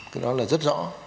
cái đó là rất rõ